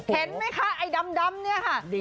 เห็นไหมคะไอ้ดำเนี่ยค่ะ